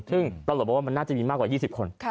ซึ่งตลอดว่ามันน่าจะมีมากกว่ายี่สิบคน